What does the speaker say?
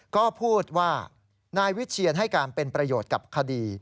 ก็พูดว่านายวิเชียนให้การเป็นประโยชน์กับคดี